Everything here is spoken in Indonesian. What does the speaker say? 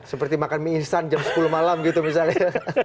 seperti makan mie instan jam sepuluh malam gitu misalnya